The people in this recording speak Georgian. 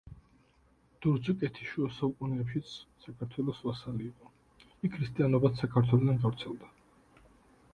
დურძუკეთი შუა საუკუნეებშიც საქართველოს ვასალი იყო, იქ ქრისტიანობაც საქართველოდან გავრცელდა.